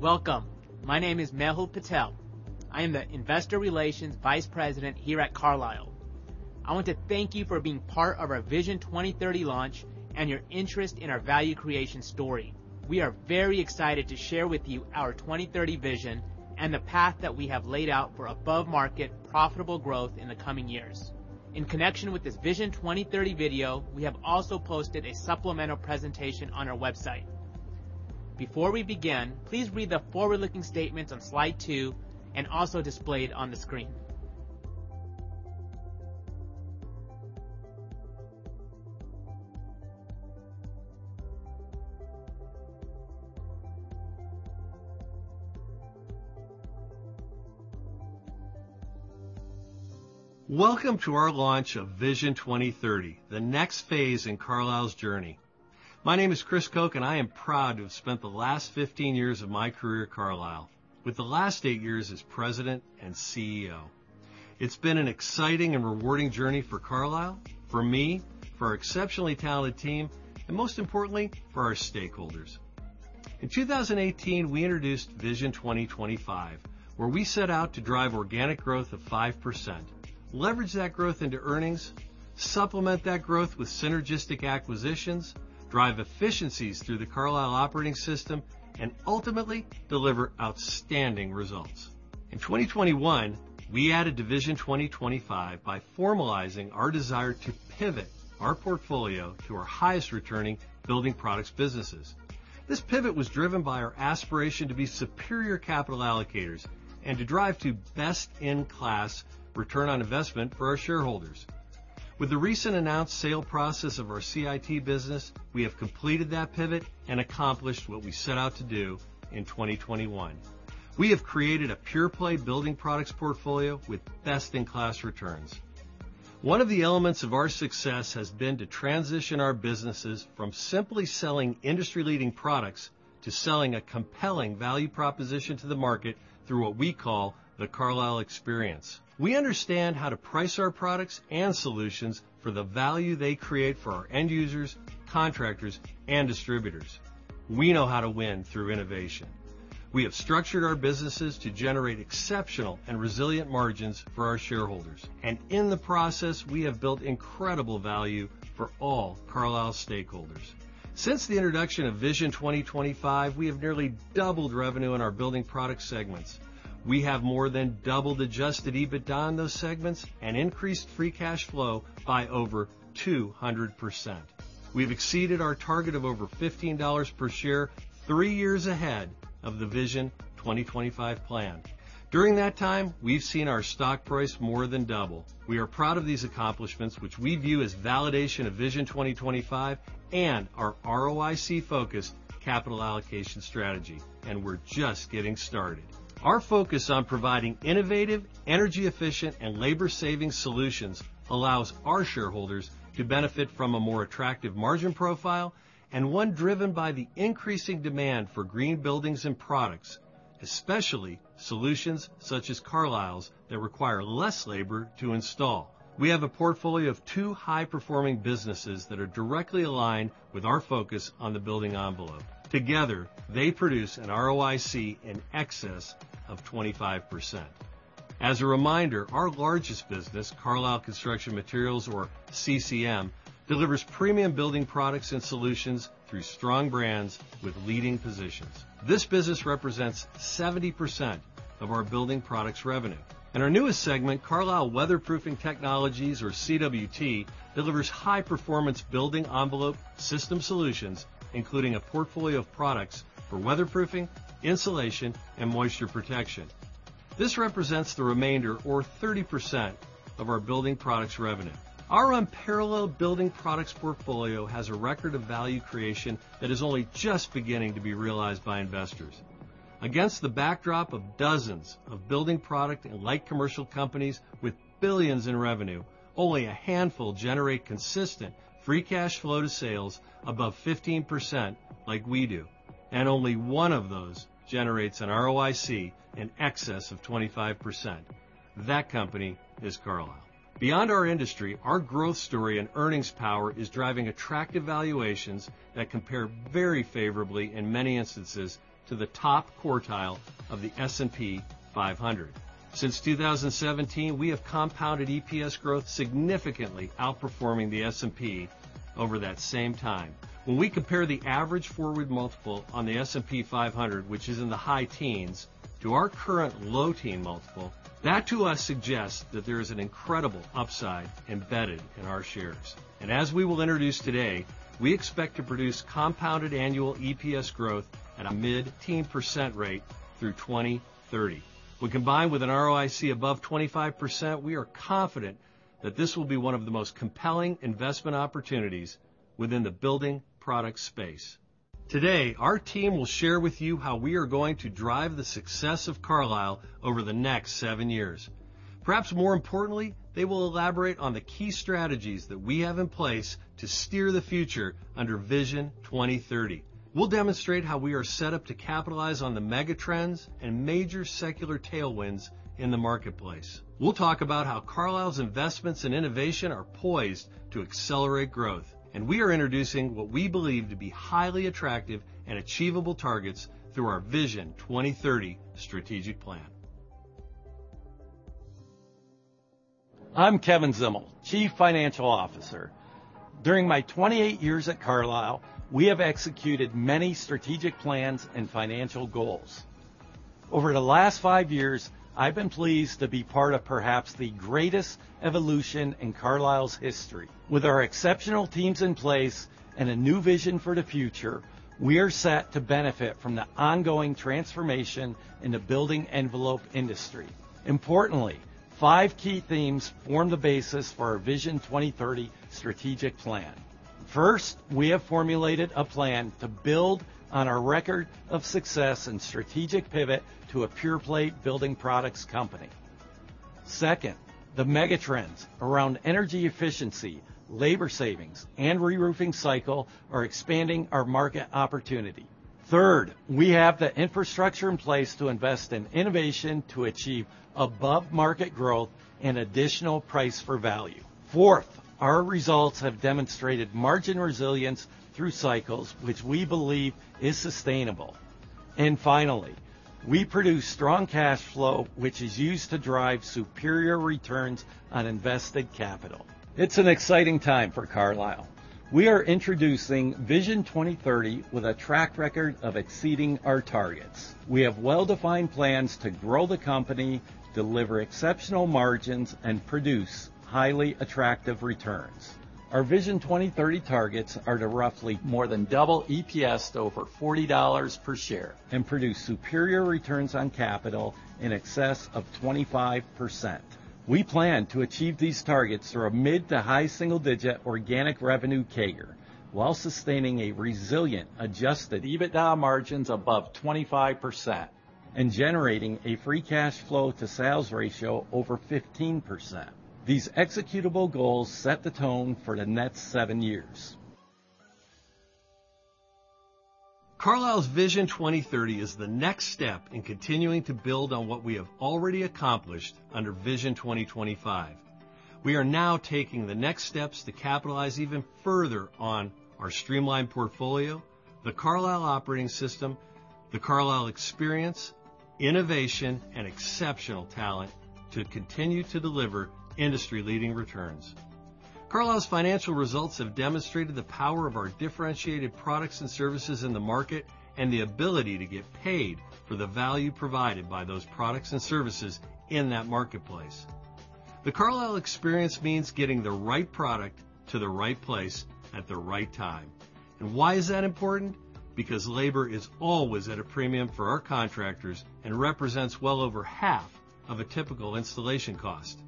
Welcome! My name is Mehul Patel. I am the Investor Relations Vice President here at Carlisle. I want to thank you for being part of our Vision 2030 launch and your interest in our value creation story. We are very excited to share with you our 2030 vision and the path that we have laid out for above-market, profitable growth in the coming years. In connection with this Vision 2030 video, we have also posted a supplemental presentation on our website. Before we begin, please read the forward-looking statements on slide 2 and also displayed on the screen. Welcome to our launch of Vision 2030, the next phase in Carlisle's journey. My name is Chris Koch, and I am proud to have spent the last 15 years of my career at Carlisle, with the last eight years as President and CEO. It's been an exciting and rewarding journey for Carlisle, for me, for our exceptionally talented team, and most importantly, for our stakeholders. In 2018, we introduced Vision 2025, where we set out to drive organic growth of 5%, leverage that growth into earnings, supplement that growth with synergistic acquisitions, drive efficiencies through the Carlisle Operating System, and ultimately deliver outstanding results. In 2021, we added to Vision 2025 by formalizing our desire to pivot our portfolio to our highest-returning building products businesses. This pivot was driven by our aspiration to be superior capital allocators and to drive to best-in-class return on investment for our shareholders. With the recent announced sale process of our CIT business, we have completed that pivot and accomplished what we set out to do in 2021. We have created a pure-play building products portfolio with best-in-class returns. One of the elements of our success has been to transition our businesses from simply selling industry-leading products to selling a compelling value proposition to the market through what we call the Carlisle Experience. We understand how to price our products and solutions for the value they create for our end users, contractors, and distributors. We know how to win through innovation. We have structured our businesses to generate exceptional and resilient margins for our shareholders, and in the process, we have built incredible value for all Carlisle stakeholders. Since the introduction of Vision 2025, we have nearly doubled revenue in our building product segments. We have more than doubled Adjusted EBITDA in those segments and increased Free Cash Flow by over 200%. We've exceeded our target of over $15 per share, three years ahead of the Vision 2025 plan. During that time, we've seen our stock price more than double. We are proud of these accomplishments, which we view as validation of Vision 2025 and our ROIC-focused capital allocation strategy, and we're just getting started. Our focus on providing innovative, energy-efficient, and labor-saving solutions allows our shareholders to benefit from a more attractive margin profile and one driven by the increasing demand for green buildings and products, especially solutions such as Carlisle's, that require less labor to install. We have a portfolio of two high-performing businesses that are directly aligned with our focus on the building envelope. Together, they produce an ROIC in excess of 25%. As a reminder, our largest business, Carlisle Construction Materials or CCM, delivers premium building products and solutions through strong brands with leading positions. This business represents 70% of our building products revenue. Our newest segment, Carlisle Weatherproofing Technologies or CWT, delivers high-performance building envelope system solutions, including a portfolio of products for weatherproofing, insulation, and moisture protection. This represents the remainder or 30% of our building products revenue. Our unparalleled building products portfolio has a record of value creation that is only just beginning to be realized by investors. Against the backdrop of dozens of building product and light commercial companies with billions in revenue, only a handful generate consistent free cash flow to sales above 15%, like we do, and only one of those generates an ROIC in excess of 25%. That company is Carlisle. Beyond our industry, our growth story and earnings power is driving attractive valuations that compare very favorably in many instances to the top quartile of the S&P 500. Since 2017, we have compounded EPS growth, significantly outperforming the S&P over that same time. When we compare the average forward multiple on the S&P 500, which is in the high teens, to our current low teen multiple, that, to us, suggests that there is an incredible upside embedded in our shares. As we will introduce today, we expect to produce compounded annual EPS growth at a mid-teen % rate through 2030. When combined with an ROIC above 25%, we are confident that this will be one of the most compelling investment opportunities within the building product space. Today, our team will share with you how we are going to drive the success of Carlisle over the next seven years... Perhaps more importantly, they will elaborate on the key strategies that we have in place to steer the future under Vision 2030. We'll demonstrate how we are set up to capitalize on the mega trends and major secular tailwinds in the marketplace. We'll talk about how Carlisle's investments and innovation are poised to accelerate growth, and we are introducing what we believe to be highly attractive and achievable targets through our Vision 2030 strategic plan. I'm Kevin Zdimal, Chief Financial Officer. During my 28 years at Carlisle, we have executed many strategic plans and financial goals. Over the last five years, I've been pleased to be part of perhaps the greatest evolution in Carlisle's history. With our exceptional teams in place and a new vision for the future, we are set to benefit from the ongoing transformation in the building envelope industry. Importantly, five key themes form the basis for our Vision 2030 strategic plan. First, we have formulated a plan to build on our record of success and strategic pivot to a pure-play building products company. Second, the mega trends around energy efficiency, labor savings, and reroofing cycle are expanding our market opportunity. Third, we have the infrastructure in place to invest in innovation to achieve above-market growth and additional price for value. Fourth, our results have demonstrated margin resilience through cycles, which we believe is sustainable. And finally, we produce strong cash flow, which is used to drive superior returns on invested capital. It's an exciting time for Carlisle. We are introducing Vision 2030 with a track record of exceeding our targets. We have well-defined plans to grow the company, deliver exceptional margins, and produce highly attractive returns. Our Vision 2030 targets are to roughly more than double EPS to over $40 per share and produce superior returns on capital in excess of 25%. We plan to achieve these targets through a mid- to high single-digit organic revenue CAGR, while sustaining a resilient Adjusted EBITDA margins above 25% and generating a free cash flow to sales ratio over 15%. These executable goals set the tone for the next seven years. Carlisle's Vision 2030 is the next step in continuing to build on what we have already accomplished under Vision 2025. We are now taking the next steps to capitalize even further on our streamlined portfolio, the Carlisle Operating System, the Carlisle Experience, innovation, and exceptional talent to continue to deliver industry-leading returns. Carlisle's financial results have demonstrated the power of our differentiated products and services in the market, and the ability to get paid for the value provided by those products and services in that marketplace. The Carlisle Experience means getting the right product to the right place at the right time. And why is that important? Because labor is always at a premium for our contractors and represents well over half of a typical installation cost.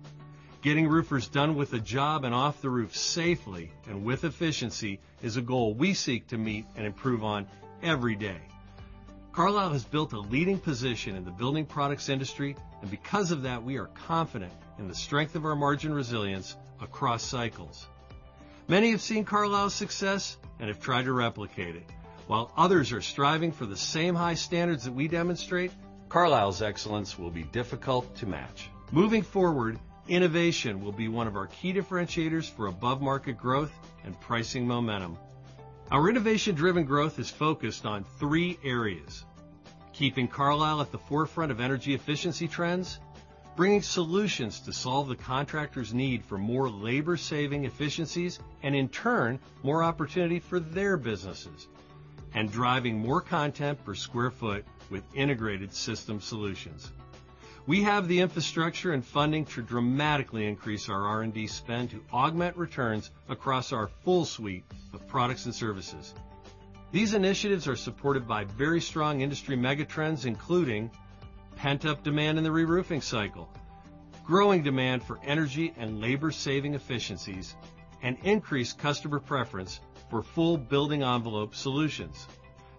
Getting roofers done with the job and off the roof safely and with efficiency is a goal we seek to meet and improve on every day. Carlisle has built a leading position in the building products industry, and because of that, we are confident in the strength of our margin resilience across cycles. Many have seen Carlisle's success and have tried to replicate it. While others are striving for the same high standards that we demonstrate, Carlisle's excellence will be difficult to match. Moving forward, innovation will be one of our key differentiators for above-market growth and pricing momentum. Our innovation-driven growth is focused on three areas: keeping Carlisle at the forefront of energy efficiency trends, bringing solutions to solve the contractors' need for more labor-saving efficiencies, and in turn, more opportunity for their businesses, and driving more content per square foot with integrated system solutions. We have the infrastructure and funding to dramatically increase our R&D spend to augment returns across our full suite of products and services. These initiatives are supported by very strong industry mega trends, including pent-up demand in the reroofing cycle, growing demand for energy and labor-saving efficiencies, and increased customer preference for full building envelope solutions.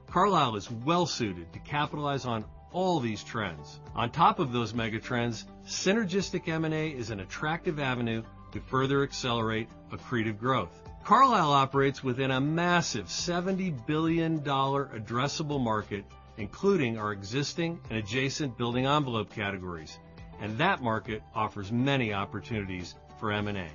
Carlisle is well-suited to capitalize on all these trends. On top of those mega trends, synergistic M&A is an attractive avenue to further accelerate accretive growth. Carlisle operates within a massive $70 billion addressable market, including our existing and adjacent building envelope categories, and that market offers many opportunities for M&A.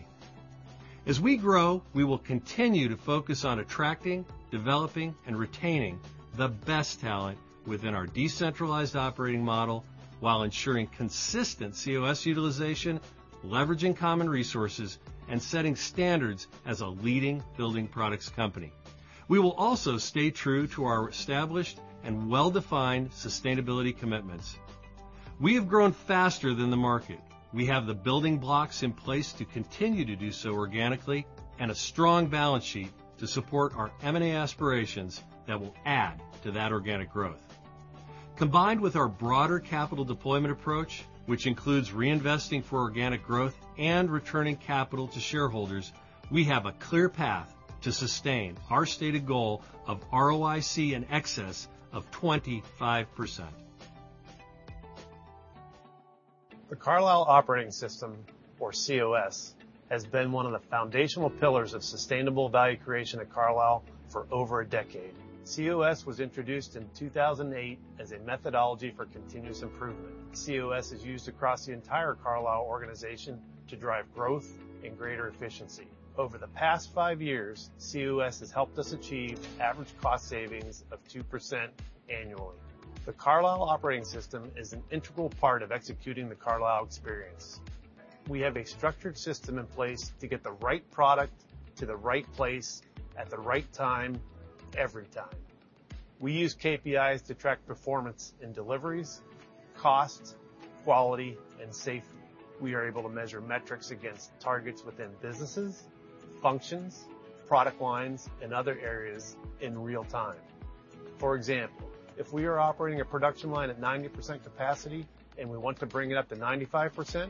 As we grow, we will continue to focus on attracting, developing, and retaining the best talent within our decentralized operating model, while ensuring consistent COS utilization, leveraging common resources, and setting standards as a leading building products company. We will also stay true to our established and well-defined sustainability commitments. We have grown faster than the market. We have the building blocks in place to continue to do so organically, and a strong balance sheet to support our M&A aspirations that will add to that organic growth. Combined with our broader capital deployment approach, which includes reinvesting for organic growth and returning capital to shareholders, we have a clear path to sustain our stated goal of ROIC in excess of 25%.... The Carlisle Operating System, or COS, has been one of the foundational pillars of sustainable value creation at Carlisle for over a decade. COS was introduced in 2008 as a methodology for continuous improvement. COS is used across the entire Carlisle organization to drive growth and greater efficiency. Over the past five years, COS has helped us achieve average cost savings of 2% annually. The Carlisle Operating System is an integral part of executing the Carlisle Experience. We have a structured system in place to get the right product to the right place at the right time, every time. We use KPIs to track performance in deliveries, cost, quality, and safety. We are able to measure metrics against targets within businesses, functions, product lines, and other areas in real time. For example, if we are operating a production line at 90% capacity and we want to bring it up to 95%,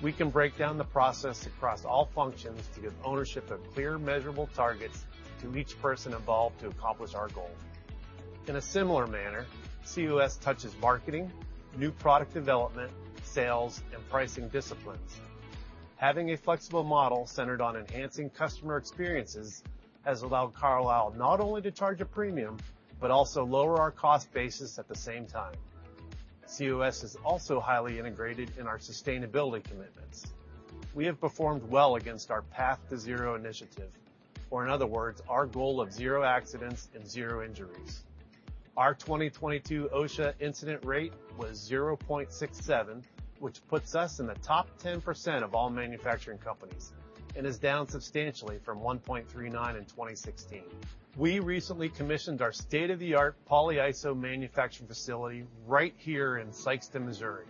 we can break down the process across all functions to give ownership of clear, measurable targets to each person involved to accomplish our goal. In a similar manner, COS touches marketing, new product development, sales, and pricing disciplines. Having a flexible model centered on enhancing customer experiences has allowed Carlisle not only to charge a premium, but also lower our cost basis at the same time. COS is also highly integrated in our sustainability commitments. We have performed well against our Path to Zero initiative, or in other words, our goal of zero accidents and zero injuries. Our 2022 OSHA incident rate was 0.67, which puts us in the top 10% of all manufacturing companies and is down substantially from 1.39 in 2016. We recently commissioned our state-of-the-art polyiso manufacturing facility right here in Sikeston, Missouri.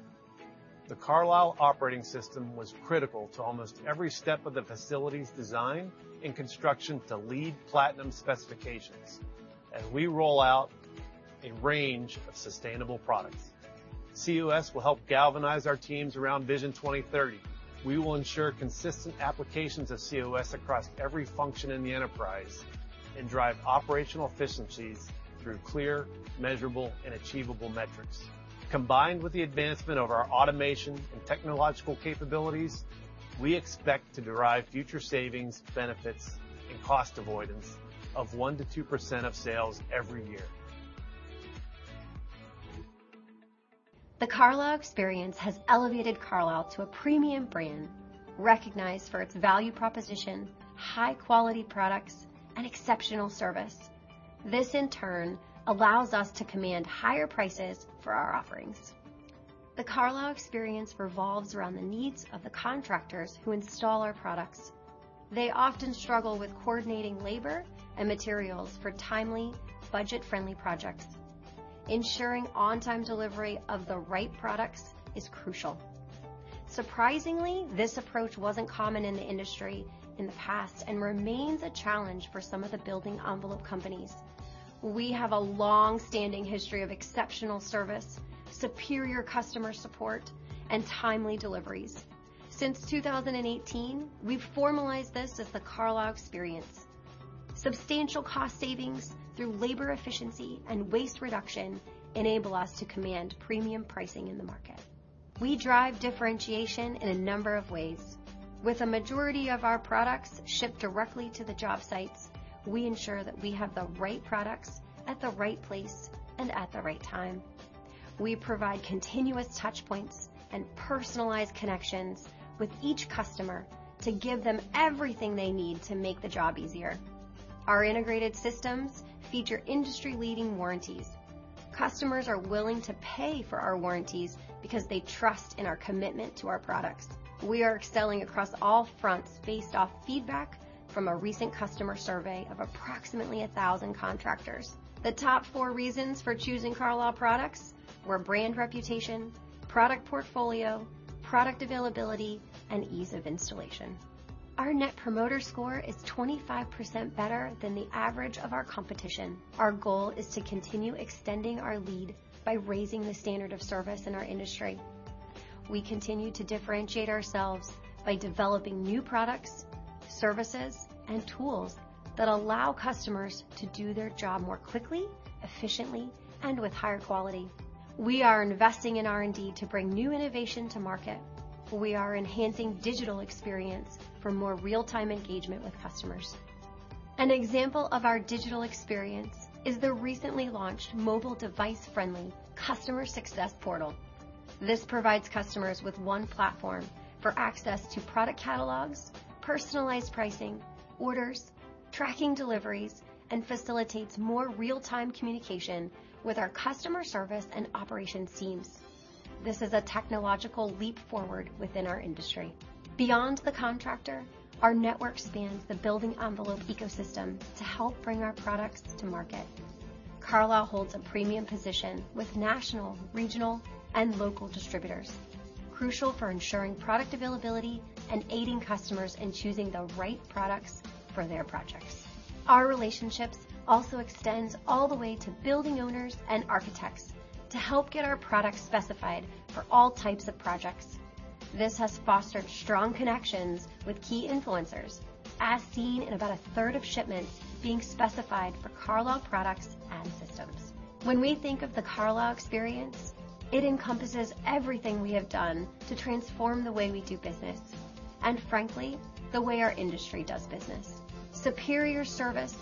The Carlisle Operating System was critical to almost every step of the facility's design and construction to LEED Platinum specifications as we roll out a range of sustainable products. COS will help galvanize our teams around Vision 2030. We will ensure consistent applications of COS across every function in the enterprise and drive operational efficiencies through clear, measurable, and achievable metrics. Combined with the advancement of our automation and technological capabilities, we expect to derive future savings, benefits, and cost avoidance of 1%-2% of sales every year. The Carlisle Experience has elevated Carlisle to a premium brand, recognized for its value proposition, high-quality products, and exceptional service. This, in turn, allows us to command higher prices for our offerings. The Carlisle Experience revolves around the needs of the contractors who install our products. They often struggle with coordinating labor and materials for timely, budget-friendly projects. Ensuring on-time delivery of the right products is crucial. Surprisingly, this approach wasn't common in the industry in the past and remains a challenge for some of the building envelope companies. We have a long-standing history of exceptional service, superior customer support, and timely deliveries. Since 2018, we've formalized this as the Carlisle Experience. Substantial cost savings through labor efficiency and waste reduction enable us to command premium pricing in the market. We drive differentiation in a number of ways. With a majority of our products shipped directly to the job sites, we ensure that we have the right products at the right place and at the right time. We provide continuous touch points and personalized connections with each customer to give them everything they need to make the job easier. Our integrated systems feature industry-leading warranties. Customers are willing to pay for our warranties because they trust in our commitment to our products. We are excelling across all fronts based off feedback from a recent customer survey of approximately 1,000 contractors. The top four reasons for choosing Carlisle products were brand reputation, product portfolio, product availability, and ease of installation. Our Net Promoter Score is 25% better than the average of our competition. Our goal is to continue extending our lead by raising the standard of service in our industry. We continue to differentiate ourselves by developing new products, services, and tools that allow customers to do their job more quickly, efficiently, and with higher quality. We are investing in R&D to bring new innovation to market. We are enhancing digital experience for more real-time engagement with customers. An example of our digital experience is the recently launched mobile device-friendly Customer Success Portal. This provides customers with one platform for access to product catalogs, personalized pricing, orders, tracking deliveries, and facilitates more real-time communication with our customer service and operation teams. This is a technological leap forward within our industry. Beyond the contractor, our network spans the building envelope ecosystem to help bring our products to market. Carlisle holds a premium position with national, regional, and local distributors, crucial for ensuring product availability and aiding customers in choosing the right products for their projects. Our relationships also extend all the way to building owners and architects to help get our products specified for all types of projects. This has fostered strong connections with key influencers, as seen in about a third of shipments being specified for Carlisle products and systems. When we think of The Carlisle Experience, it encompasses everything we have done to transform the way we do business, and frankly, the way our industry does business. Superior service,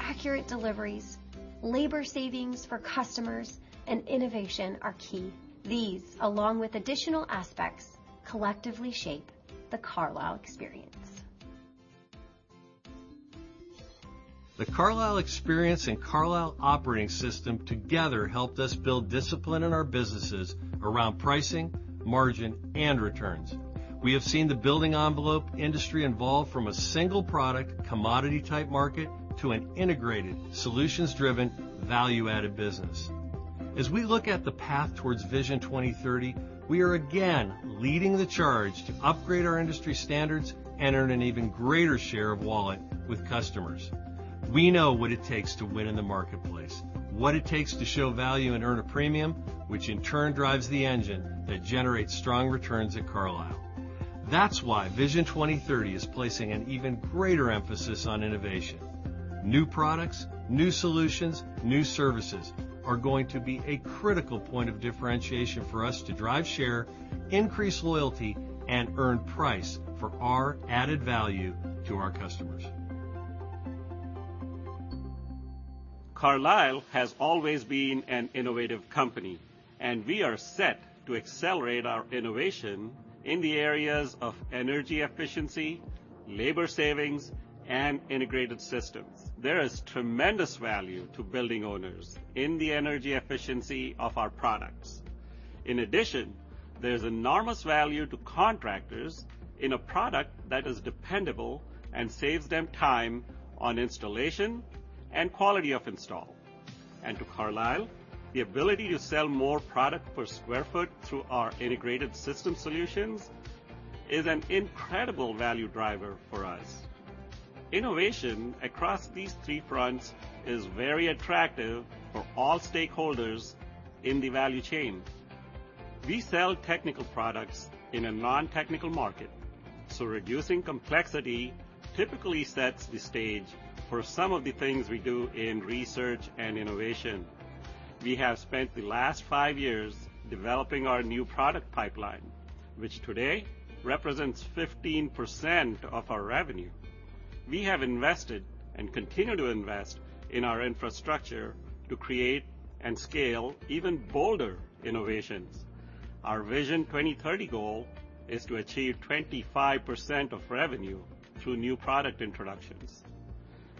accurate deliveries, labor savings for customers, and innovation are key. These, along with additional aspects, collectively shape The Carlisle Experience. The Carlisle Experience and Carlisle Operating System together helped us build discipline in our businesses around pricing, margin, and returns. We have seen the building envelope industry evolve from a single-product, commodity-type market to an integrated, solutions-driven, value-added business. As we look at the path towards Vision 2030, we are again leading the charge to upgrade our industry standards and earn an even greater share of wallet with customers. We know what it takes to win in the marketplace, what it takes to show value and earn a premium, which in turn drives the engine that generates strong returns at Carlisle. That's why Vision 2030 is placing an even greater emphasis on innovation. New products, new solutions, new services are going to be a critical point of differentiation for us to drive share, increase loyalty, and earn price for our added value to our customers. Carlisle has always been an innovative company, and we are set to accelerate our innovation in the areas of energy efficiency, labor savings, and integrated systems. There is tremendous value to building owners in the energy efficiency of our products. In addition, there's enormous value to contractors in a product that is dependable and saves them time on installation and quality of install. And to Carlisle, the ability to sell more product per square foot through our integrated system solutions is an incredible value driver for us. Innovation across these three fronts is very attractive for all stakeholders in the value chain. We sell technical products in a non-technical market, so reducing complexity typically sets the stage for some of the things we do in research and innovation. We have spent the last five years developing our new product pipeline, which today represents 15% of our revenue. We have invested and continue to invest in our infrastructure to create and scale even bolder innovations. Our Vision 2030 goal is to achieve 25% of revenue through new product introductions.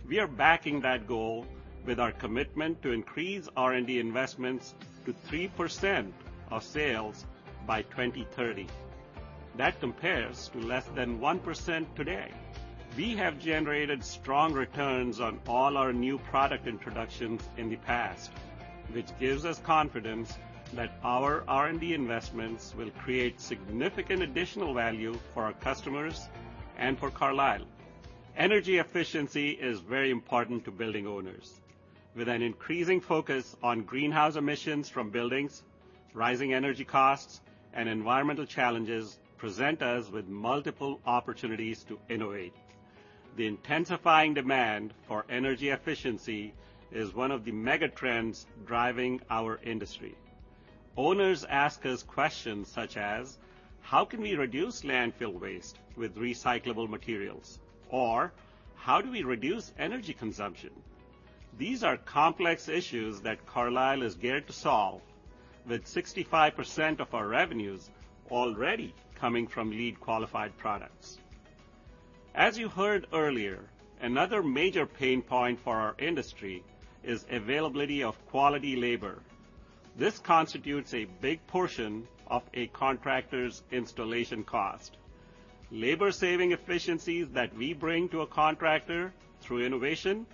We are backing that goal with our commitment to increase R&D investments to 3% of sales by 2030. That compares to less than 1% today. We have generated strong returns on all our new product introductions in the past, which gives us confidence that our R&D investments will create significant additional value for our customers and for Carlisle. Energy efficiency is very important to building owners. With an increasing focus on greenhouse emissions from buildings, rising energy costs and environmental challenges present us with multiple opportunities to innovate. The intensifying demand for energy efficiency is one of the mega trends driving our industry. Owners ask us questions such as, "How can we reduce landfill waste with recyclable materials?" Or, "How do we reduce energy consumption?" These are complex issues that Carlisle is geared to solve, with 65% of our revenues already coming from lead-qualified products. As you heard earlier, another major pain point for our industry is availability of quality labor. This constitutes a big portion of a contractor's installation cost. Labor-saving efficiencies that we bring to a contractor through innovation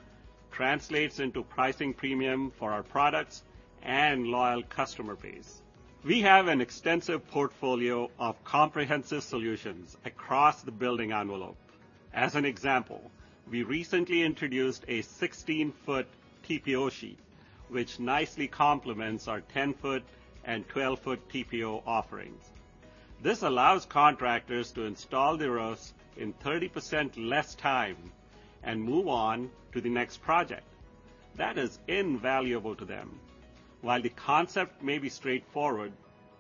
translates into pricing premium for our products and loyal customer base. We have an extensive portfolio of comprehensive solutions across the building envelope. As an example, we recently introduced a 16-foot TPO sheet, which nicely complements our 10-foot and 12-foot TPO offerings. This allows contractors to install the roofs in 30% less time and move on to the next project. That is invaluable to them. While the concept may be straightforward,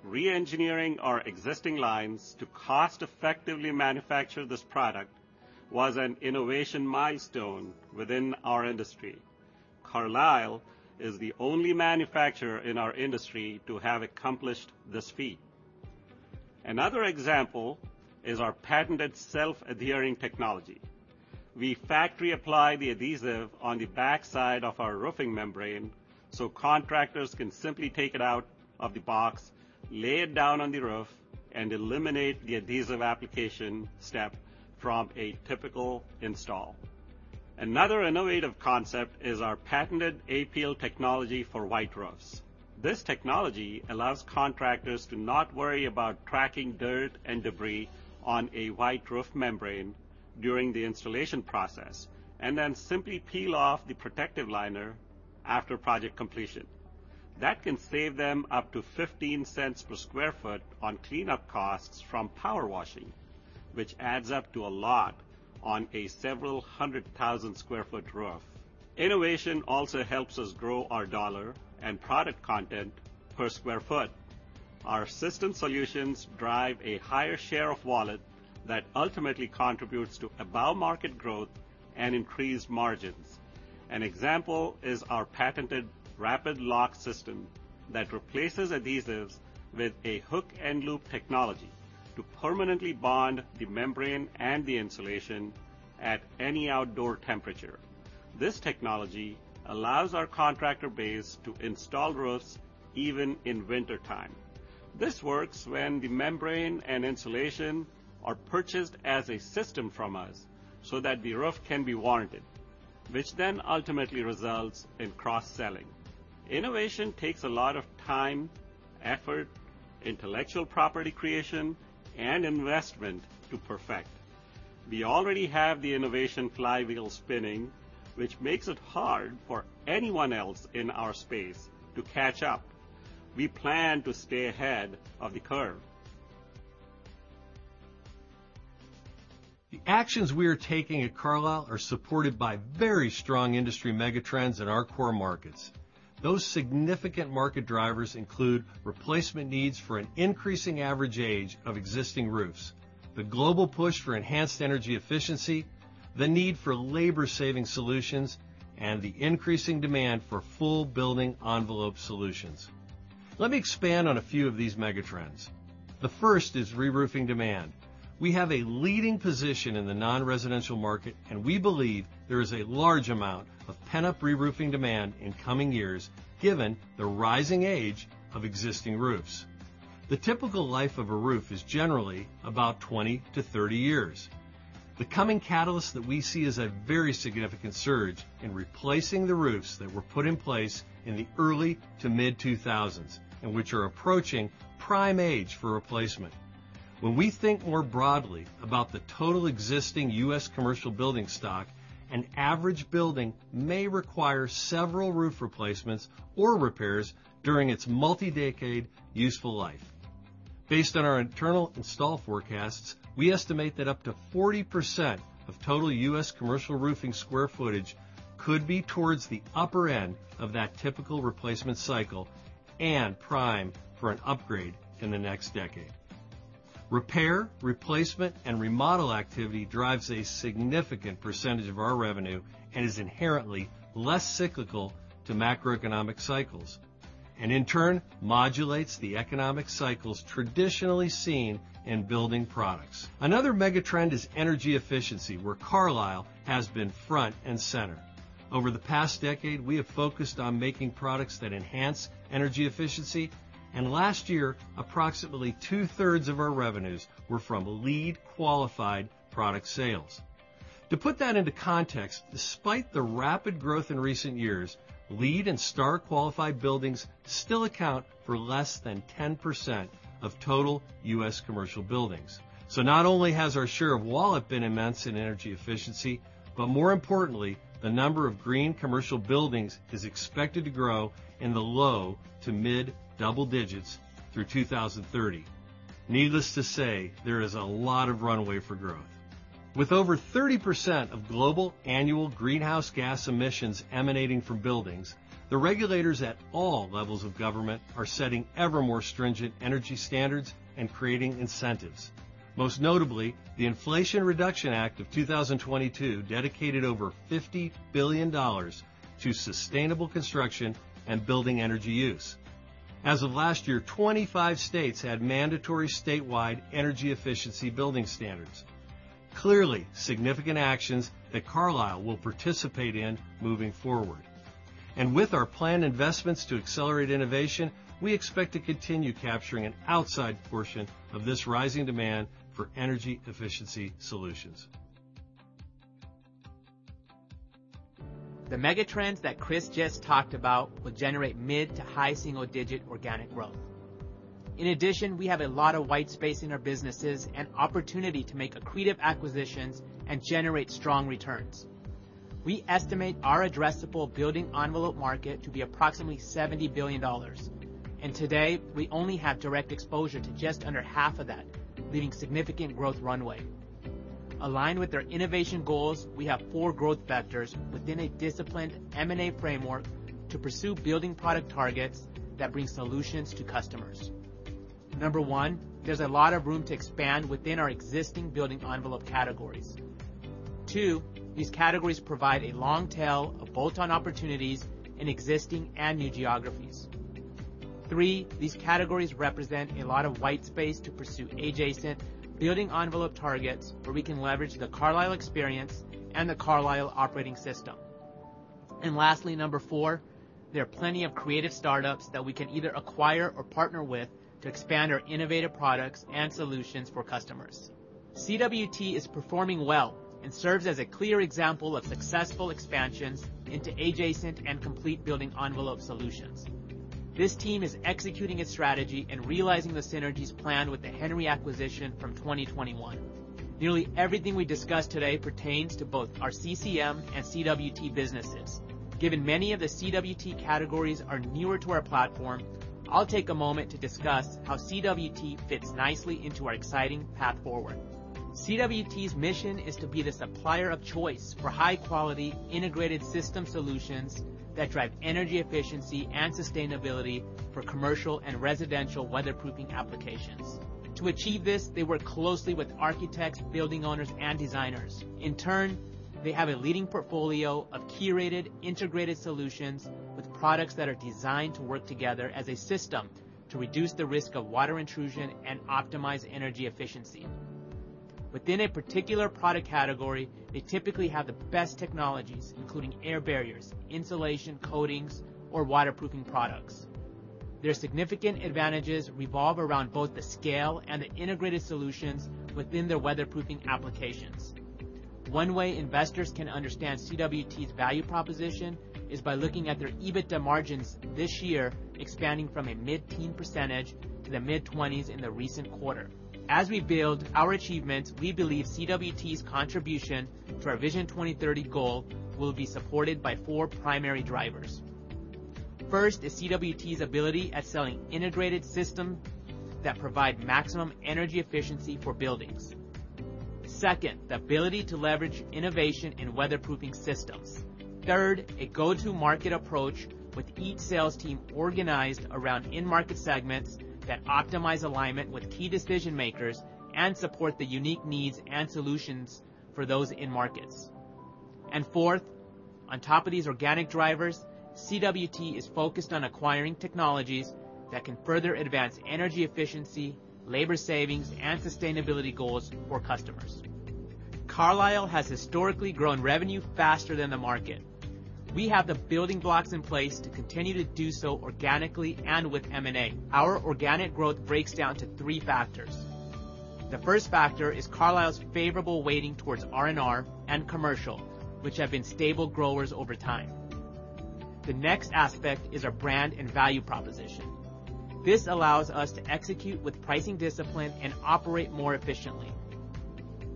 reengineering our existing lines to cost-effectively manufacture this product was an innovation milestone within our industry. Carlisle is the only manufacturer in our industry to have accomplished this feat. Another example is our patented self-adhering technology. We factory-apply the adhesive on the backside of our roofing membrane, so contractors can simply take it out of the box, lay it down on the roof, and eliminate the adhesive application step from a typical install. Another innovative concept is our patented APEEL technology for white roofs. This technology allows contractors to not worry about tracking dirt and debris on a white roof membrane during the installation process, and then simply peel off the protective liner after project completion. That can save them up to $0.15 per sq ft on cleanup costs from power washing, which adds up to a lot on a several hundred thousand sq ft roof. Innovation also helps us grow our dollar and product content per sq ft. Our system solutions drive a higher share of wallet that ultimately contributes to above-market growth and increased margins. An example is our patented RapidLock system that replaces adhesives with a hook and loop technology to permanently bond the membrane and the insulation at any outdoor temperature. This technology allows our contractor base to install roofs even in wintertime. This works when the membrane and insulation are purchased as a system from us, so that the roof can be warranted, which then ultimately results in cross-selling. Innovation takes a lot of time, effort, intellectual property creation, and investment to perfect. We already have the innovation flywheel spinning, which makes it hard for anyone else in our space to catch up. We plan to stay ahead of the curve. The actions we are taking at Carlisle are supported by very strong industry megatrends in our core markets. Those significant market drivers include replacement needs for an increasing average age of existing roofs, the global push for enhanced energy efficiency, the need for labor-saving solutions, and the increasing demand for full building envelope solutions. Let me expand on a few of these megatrends. The first is reroofing demand. We have a leading position in the non-residential market, and we believe there is a large amount of pent-up reroofing demand in coming years, given the rising age of existing roofs. The typical life of a roof is generally about 20-30 years. The coming catalyst that we see is a very significant surge in replacing the roofs that were put in place in the early to mid-2000s, and which are approaching prime age for replacement. When we think more broadly about the total existing U.S. commercial building stock, an average building may require several roof replacements or repairs during its multi-decade useful life. Based on our internal install forecasts, we estimate that up to 40% of total U.S. commercial roofing square footage could be towards the upper end of that typical replacement cycle and primed for an upgrade in the next decade. Repair, replacement, and remodel activity drives a significant percentage of our revenue and is inherently less cyclical to macroeconomic cycles, and in turn, modulates the economic cycles traditionally seen in building products. Another megatrend is energy efficiency, where Carlisle has been front and center. Over the past decade, we have focused on making products that enhance energy efficiency, and last year, approximately two-thirds of our revenues were from LEED-qualified product sales. To put that into context, despite the rapid growth in recent years, LEED and STAR-qualified buildings still account for less than 10% of total U.S. commercial buildings. So not only has our share of wallet been immense in energy efficiency, but more importantly, the number of green commercial buildings is expected to grow in the low to mid-double digits through 2030. Needless to say, there is a lot of runway for growth. With over 30% of global annual greenhouse gas emissions emanating from buildings, the regulators at all levels of government are setting ever more stringent energy standards and creating incentives. Most notably, the Inflation Reduction Act of 2022 dedicated over $50 billion to sustainable construction and building energy use. As of last year, 25 states had mandatory statewide energy efficiency building standards. Clearly, significant actions that Carlisle will participate in moving forward. With our planned investments to accelerate innovation, we expect to continue capturing an outsized portion of this rising demand for energy efficiency solutions. The megatrends that Chris just talked about will generate mid- to high single-digit organic growth. In addition, we have a lot of white space in our businesses and opportunity to make accretive acquisitions and generate strong returns. We estimate our addressable building envelope market to be approximately $70 billion, and today, we only have direct exposure to just under half of that, leaving significant growth runway. Aligned with our innovation goals, we have four growth vectors within a disciplined M&A framework to pursue building product targets that bring solutions to customers. Number one, there's a lot of room to expand within our existing building envelope categories. Two, these categories provide a long tail of bolt-on opportunities in existing and new geographies. Three, these categories represent a lot of white space to pursue adjacent building envelope targets, where we can leverage the Carlisle Experience and the Carlisle Operating System. Lastly, number four, there are plenty of creative startups that we can either acquire or partner with to expand our innovative products and solutions for customers. CWT is performing well and serves as a clear example of successful expansions into adjacent and complete building envelope solutions. This team is executing its strategy and realizing the synergies planned with the Henry acquisition from 2021. Nearly everything we discuss today pertains to both our CCM and CWT businesses. Given many of the CWT categories are newer to our platform, I'll take a moment to discuss how CWT fits nicely into our exciting path forward. CWT's mission is to be the supplier of choice for high-quality, integrated system solutions that drive energy efficiency and sustainability for commercial and residential weatherproofing applications. To achieve this, they work closely with architects, building owners, and designers. In turn, they have a leading portfolio of curated, integrated solutions with products that are designed to work together as a system to reduce the risk of water intrusion and optimize energy efficiency. Within a particular product category, they typically have the best technologies, including air barriers, insulation, coatings, or waterproofing products. Their significant advantages revolve around both the scale and the integrated solutions within their weatherproofing applications. One way investors can understand CWT's value proposition is by looking at their EBITDA margins this year, expanding from a mid-teens % to the mid-20s% in the recent quarter. As we build our achievements, we believe CWT's contribution to our Vision 2030 goal will be supported by four primary drivers. First is CWT's ability at selling integrated system that provide maximum energy efficiency for buildings. Second, the ability to leverage innovation in weatherproofing systems. Third, a go-to-market approach, with each sales team organized around end-market segments that optimize alignment with key decision-makers and support the unique needs and solutions for those end markets. And fourth, on top of these organic drivers, CWT is focused on acquiring technologies that can further advance energy efficiency, labor savings, and sustainability goals for customers. Carlisle has historically grown revenue faster than the market. We have the building blocks in place to continue to do so organically and with M&A. Our organic growth breaks down to three factors. The first factor is Carlisle's favorable weighting towards R&R and commercial, which have been stable growers over time. The next aspect is our brand and value proposition. This allows us to execute with pricing discipline and operate more efficiently.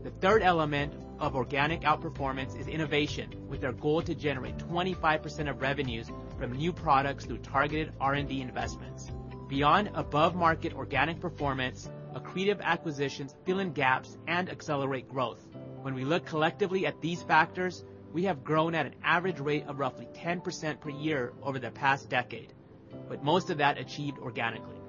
The third element of organic outperformance is innovation, with our goal to generate 25% of revenues from new products through targeted R&D investments. Beyond above-market organic performance, accretive acquisitions fill in gaps and accelerate growth. When we look collectively at these factors, we have grown at an average rate of roughly 10% per year over the past decade, with most of that achieved organically.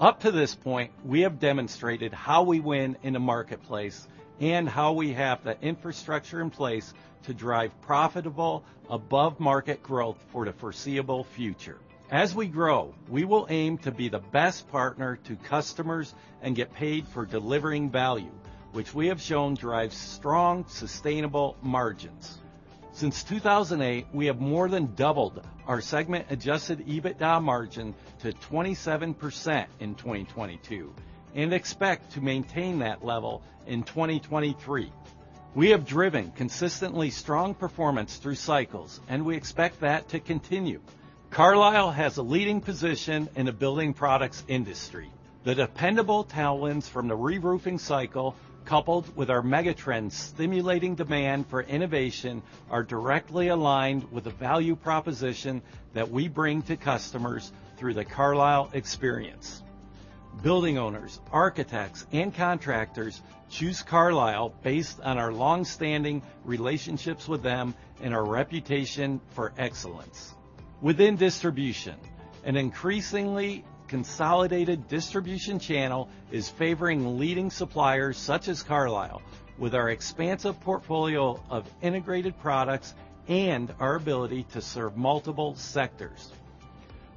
Up to this point, we have demonstrated how we win in the marketplace and how we have the infrastructure in place to drive profitable, above-market growth for the foreseeable future. As we grow, we will aim to be the best partner to customers and get paid for delivering value, which we have shown drives strong, sustainable margins. Since 2008, we have more than doubled our segment-adjusted EBITDA margin to 27% in 2022 and expect to maintain that level in 2023. We have driven consistently strong performance through cycles, and we expect that to continue. Carlisle has a leading position in the building products industry. The dependable tailwinds from the reroofing cycle, coupled with our megatrend-stimulating demand for innovation, are directly aligned with the value proposition that we bring to customers through the Carlisle Experience. Building owners, architects, and contractors choose Carlisle based on our long-standing relationships with them and our reputation for excellence. Within distribution, an increasingly consolidated distribution channel is favoring leading suppliers such as Carlisle, with our expansive portfolio of integrated products and our ability to serve multiple sectors.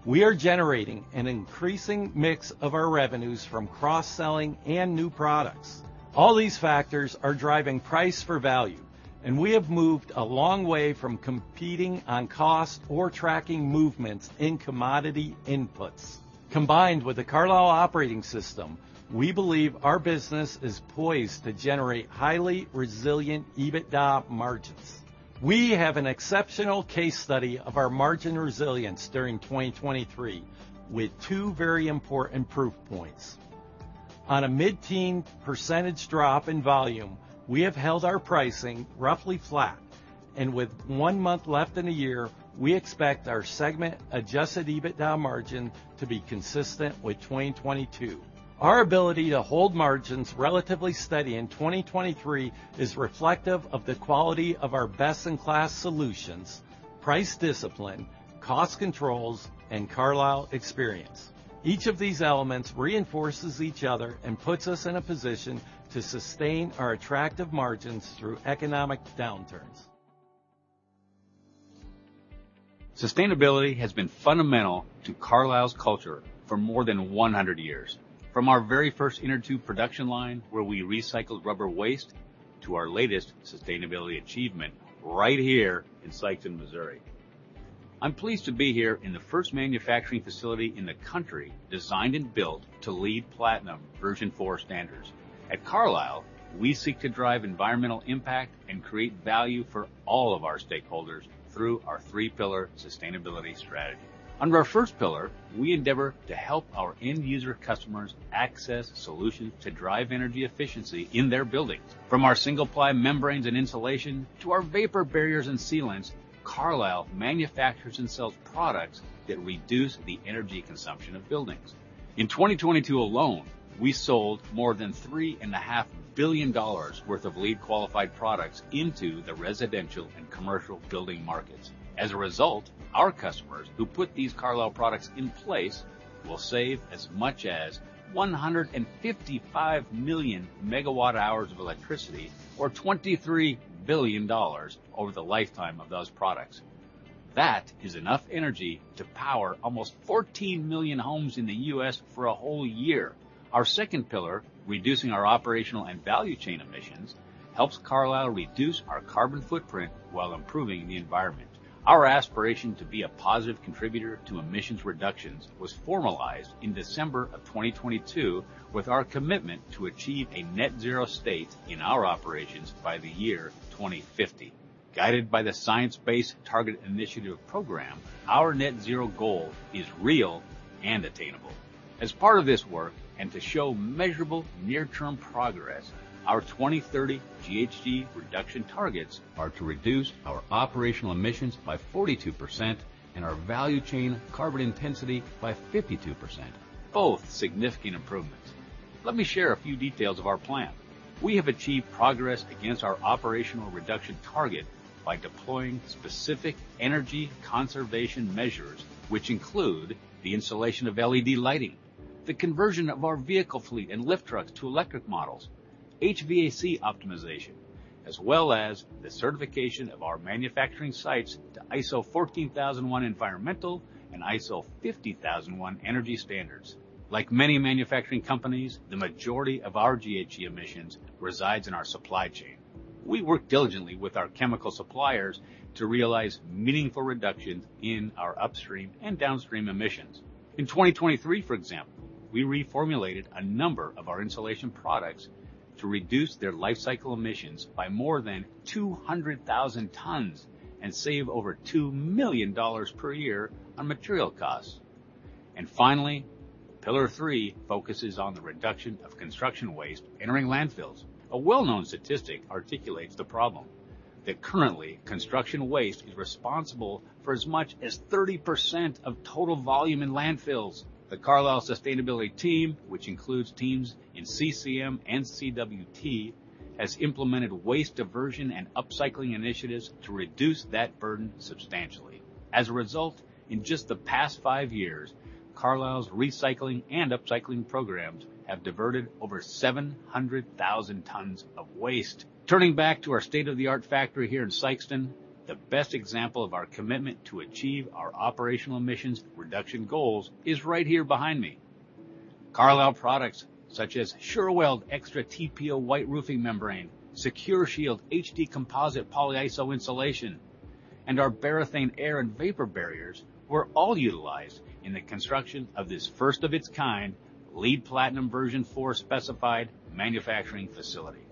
We are generating an increasing mix of our revenues from cross-selling and new products. All these factors are driving price for value, and we have moved a long way from competing on cost or tracking movements in commodity inputs. Combined with the Carlisle Operating System, we believe our business is poised to generate highly resilient EBITDA margins. We have an exceptional case study of our margin resilience during 2023, with two very important proof points. On a mid-teen % drop in volume, we have held our pricing roughly flat, and with one month left in the year, we expect our segment-adjusted EBITDA margin to be consistent with 2022. Our ability to hold margins relatively steady in 2023 is reflective of the quality of our best-in-class solutions, price discipline, cost controls, and Carlisle Experience. Each of these elements reinforces each other and puts us in a position to sustain our attractive margins through economic downturns. Sustainability has been fundamental to Carlisle's culture for more than 100 years. From our very first inner tube production line, where we recycled rubber waste, to our latest sustainability achievement right here in Sikeston, Missouri. I'm pleased to be here in the first manufacturing facility in the country, designed and built to LEED Platinum Version 4 standards. At Carlisle, we seek to drive environmental impact and create value for all of our stakeholders through our three-pillar sustainability strategy. Under our first pillar, we endeavor to help our end user customers access solutions to drive energy efficiency in their buildings. From our single-ply membranes and insulation to our vapor barriers and sealants, Carlisle manufactures and sells products that reduce the energy consumption of buildings. In 2022 alone, we sold more than $3.5 billion worth of LEED-qualified products into the residential and commercial building markets. As a result, our customers who put these Carlisle products in place will save as much as 155 million MWh of electricity, or $23 billion over the lifetime of those products. That is enough energy to power almost 14 million homes in the U.S. for a whole year. Our second pillar, reducing our operational and value chain emissions, helps Carlisle reduce our carbon footprint while improving the environment. Our aspiration to be a positive contributor to emissions reductions was formalized in December 2022, with our commitment to achieve a net zero state in our operations by the year 2050. Guided by the Science Based Targets Initiative program, our net zero goal is real and attainable. As part of this work, and to show measurable near-term progress, our 2030 GHG reduction targets are to reduce our operational emissions by 42% and our value chain carbon intensity by 52%, both significant improvements. Let me share a few details of our plan. We have achieved progress against our operational reduction target by deploying specific energy conservation measures, which include the installation of LED lighting, the conversion of our vehicle fleet and lift trucks to electric models, HVAC optimization, as well as the certification of our manufacturing sites to ISO 14001 environmental and ISO 50001 energy standards. Like many manufacturing companies, the majority of our GHG emissions resides in our supply chain. We work diligently with our chemical suppliers to realize meaningful reductions in our upstream and downstream emissions. In 2023, for example, we reformulated a number of our insulation products to reduce their lifecycle emissions by more than 200,000 tons and save over $2 million per year on material costs. And finally, pillar three focuses on the reduction of construction waste entering landfills. A well-known statistic articulates the problem, that currently, construction waste is responsible for as much as 30% of total volume in landfills. The Carlisle sustainability team, which includes teams in CCM and CWT, has implemented waste diversion and upcycling initiatives to reduce that burden substantially. As a result, in just the past five years, Carlisle's recycling and upcycling programs have diverted over 700,000 tons of waste. Turning back to our state-of-the-art factory here in Sikeston, the best example of our commitment to achieve our operational emissions reduction goals is right here behind me. Carlisle products, such as Sure-Weld EXTRA TPO white roofing membrane, SecurShield HD composite polyiso insulation, and our Barrithane air and vapor barriers, were all utilized in the construction of this first-of-its-kind, LEED Platinum Version IV specified manufacturing facility.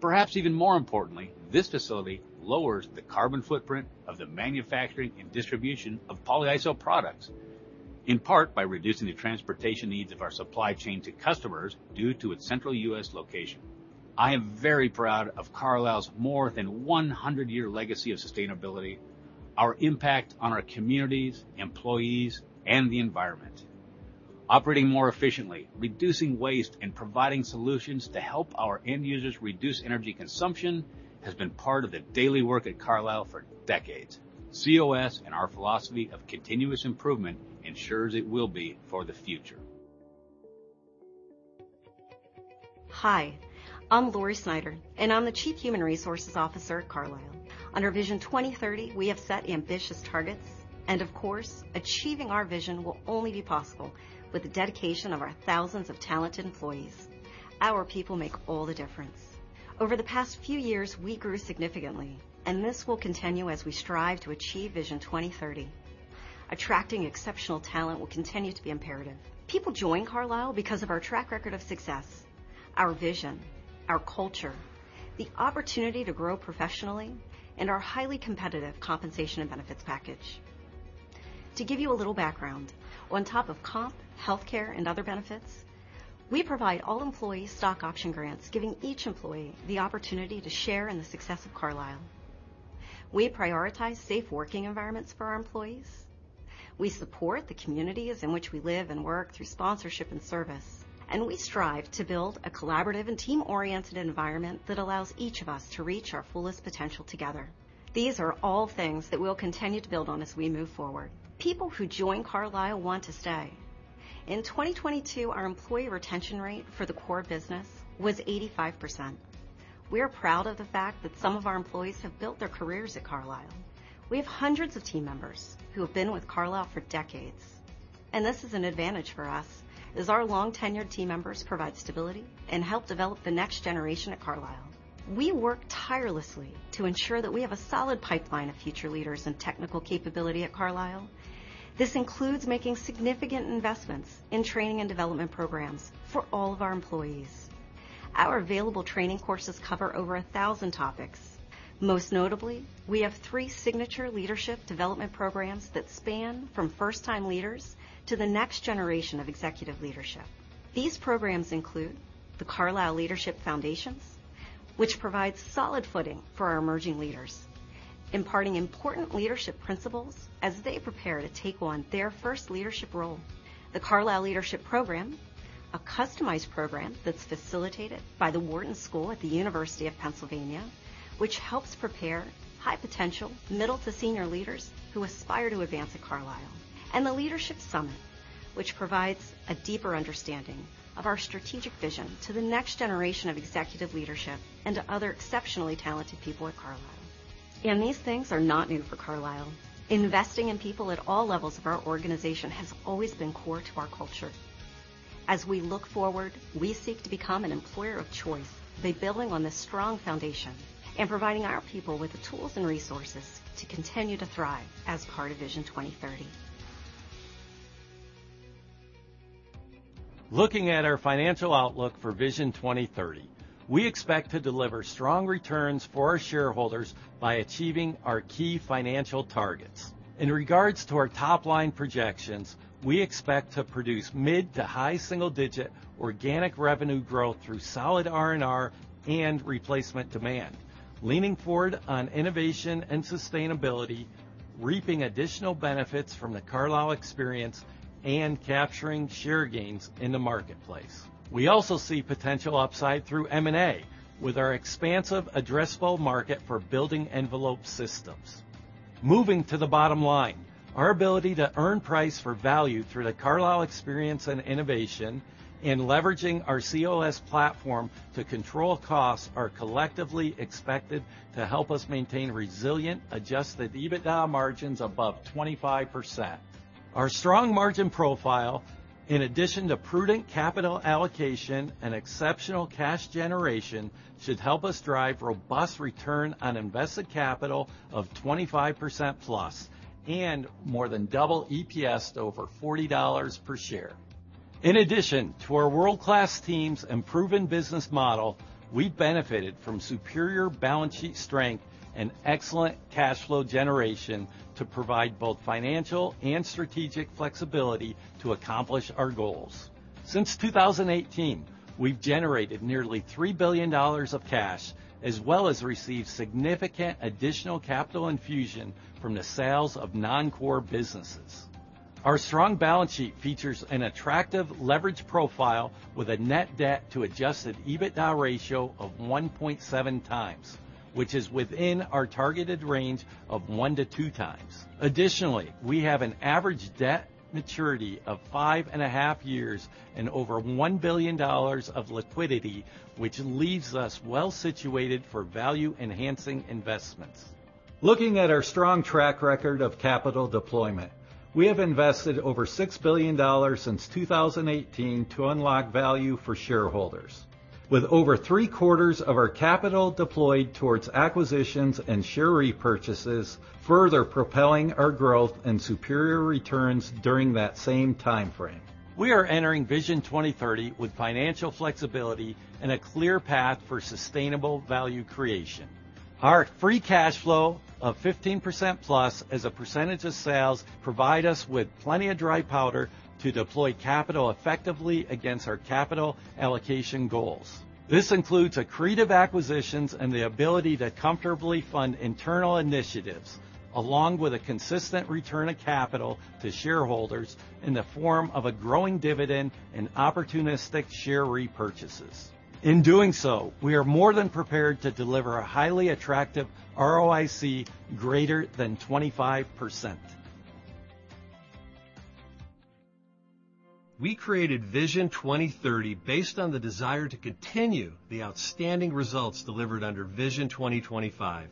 Perhaps even more importantly, this facility lowers the carbon footprint of the manufacturing and distribution of polyiso products, in part by reducing the transportation needs of our supply chain to customers due to its central U.S. location. I am very proud of Carlisle's more than 100-year legacy of sustainability, our impact on our communities, employees, and the environment. Operating more efficiently, reducing waste, and providing solutions to help our end users reduce energy consumption has been part of the daily work at Carlisle for decades. COS and our philosophy of continuous improvement ensures it will be for the future. Hi, I'm Lori Snyder, and I'm the Chief Human Resources Officer at Carlisle. Under Vision 2030, we have set ambitious targets, and of course, achieving our vision will only be possible with the dedication of our thousands of talented employees. Our people make all the difference. Over the past few years, we grew significantly, and this will continue as we strive to achieve Vision 2030. Attracting exceptional talent will continue to be imperative. People join Carlisle because of our track record of success, our vision, our culture, the opportunity to grow professionally, and our highly competitive compensation and benefits package. To give you a little background, on top of comp, healthcare, and other benefits, we provide all employees stock option grants, giving each employee the opportunity to share in the success of Carlisle. We prioritize safe working environments for our employees. We support the communities in which we live and work through sponsorship and service, and we strive to build a collaborative and team-oriented environment that allows each of us to reach our fullest potential together. These are all things that we'll continue to build on as we move forward. People who join Carlisle want to stay. In 2022, our employee retention rate for the core business was 85%. We are proud of the fact that some of our employees have built their careers at Carlisle. We have hundreds of team members who have been with Carlisle for decades... This is an advantage for us, as our long-tenured team members provide stability and help develop the next generation at Carlisle. We work tirelessly to ensure that we have a solid pipeline of future leaders and technical capability at Carlisle. This includes making significant investments in training and development programs for all of our employees. Our available training courses cover over 1,000 topics. Most notably, we have three signature leadership development programs that span from first-time leaders to the next generation of executive leadership. These programs include the Carlisle Leadership Foundations, which provides solid footing for our emerging leaders, imparting important leadership principles as they prepare to take on their first leadership role. The Carlisle Leadership Program, a customized program that's facilitated by the Wharton School at the University of Pennsylvania, which helps prepare high-potential middle to senior leaders who aspire to advance at Carlisle. The Leadership Summit, which provides a deeper understanding of our strategic vision to the next generation of executive leadership and to other exceptionally talented people at Carlisle. These things are not new for Carlisle. Investing in people at all levels of our organization has always been core to our culture. As we look forward, we seek to become an employer of choice by building on this strong foundation and providing our people with the tools and resources to continue to thrive as part of Vision 2030. Looking at our financial outlook for Vision 2030, we expect to deliver strong returns for our shareholders by achieving our key financial targets. In regards to our top-line projections, we expect to produce mid- to high single-digit organic revenue growth through solid R&R and replacement demand, leaning forward on innovation and sustainability, reaping additional benefits from the Carlisle Experience, and capturing share gains in the marketplace. We also see potential upside through M&A, with our expansive addressable market for building envelope systems. Moving to the bottom line, our ability to earn price for value through the Carlisle Experience and Innovation and leveraging our COS platform to control costs are collectively expected to help us maintain resilient, Adjusted EBITDA margins above 25%. Our strong margin profile, in addition to prudent capital allocation and exceptional cash generation, should help us drive robust return on invested capital of 25%+ and more than double EPS to over $40 per share. In addition to our world-class teams and proven business model, we've benefited from superior balance sheet strength and excellent cash flow generation to provide both financial and strategic flexibility to accomplish our goals. Since 2018, we've generated nearly $3 billion of cash, as well as received significant additional capital infusion from the sales of non-core businesses. Our strong balance sheet features an attractive leverage profile with a net debt to adjusted EBITDA ratio of 1.7x, which is within our targeted range of 1-2x. Additionally, we have an average debt maturity of 5.5 years and over $1 billion of liquidity, which leaves us well-situated for value-enhancing investments. Looking at our strong track record of capital deployment, we have invested over $6 billion since 2018 to unlock value for shareholders, with over three-quarters of our capital deployed towards acquisitions and share repurchases, further propelling our growth and superior returns during that same time frame. We are entering Vision 2030 with financial flexibility and a clear path for sustainable value creation. Our free cash flow of 15%+ as a percentage of sales provide us with plenty of dry powder to deploy capital effectively against our capital allocation goals. This includes accretive acquisitions and the ability to comfortably fund internal initiatives, along with a consistent return of capital to shareholders in the form of a growing dividend and opportunistic share repurchases. In doing so, we are more than prepared to deliver a highly attractive ROIC greater than 25%. We created Vision 2030 based on the desire to continue the outstanding results delivered under Vision 2025.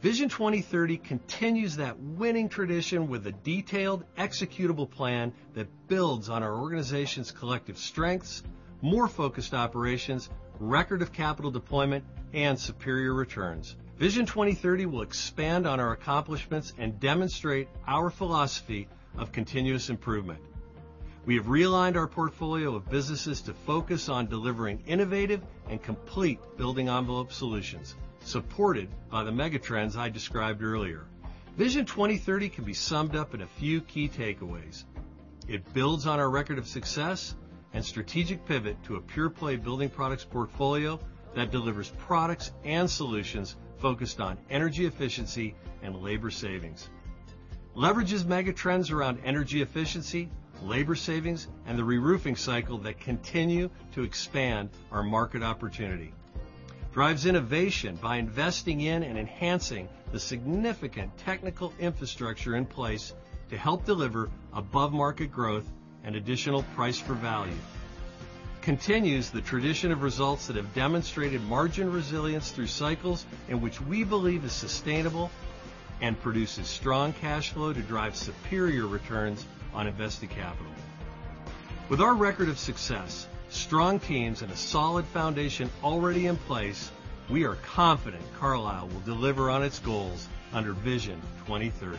Vision 2030 continues that winning tradition with a detailed, executable plan that builds on our organization's collective strengths, more focused operations, record of capital deployment, and superior returns. Vision 2030 will expand on our accomplishments and demonstrate our philosophy of continuous improvement. We have realigned our portfolio of businesses to focus on delivering innovative and complete building envelope solutions, supported by the megatrends I described earlier. Vision 2030 can be summed up in a few key takeaways. It builds on our record of success and strategic pivot to a pure-play building products portfolio that delivers products and solutions focused on energy efficiency and labor savings, leverages megatrends around energy efficiency, labor savings, and the reroofing cycle that continue to expand our market opportunity, drives innovation by investing in and enhancing the significant technical infrastructure in place to help deliver above-market growth and additional price for value, continues the tradition of results that have demonstrated margin resilience through cycles, and which we believe is sustainable and produces strong cash flow to drive superior returns on invested capital. With our record of success, strong teams, and a solid foundation already in place, we are confident Carlisle will deliver on its goals under Vision 2030.